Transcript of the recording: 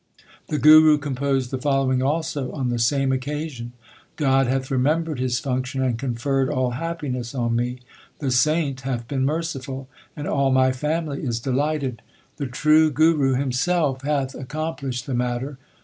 1 The Guru composed the following also on the same occasion : God hath remembered His function and conferred all happiness on me. The saint 2 hath been merciful, and all my family is delighted. The True Guru himself hath accomplished the matter.